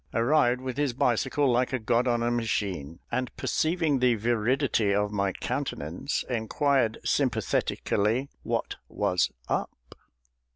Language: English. arrived with his bicycle, like a god on a machine, and perceiving the viridity of my countenance, inquired sympathetically what was up.